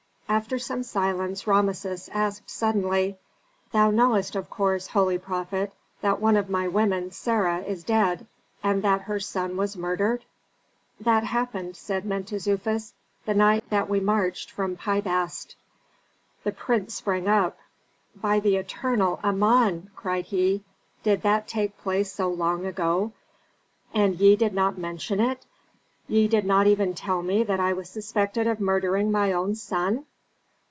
After some silence Rameses asked suddenly, "Thou knowest, of course, holy prophet, that one of my women, Sarah, is dead, and that her son was murdered?" "That happened," said Mentezufis, "the night that we marched from Pi Bast." The prince sprang up. "By the eternal Amon!" cried he. "Did that take place so long ago, and ye did not mention it? Ye did not even tell me that I was suspected of murdering my own son?"